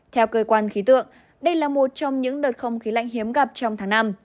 theo cơ quan khí tượng đây là một trong những đợt không khí lạnh hiếm gặp trong tháng năm